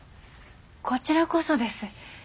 こちらこそです。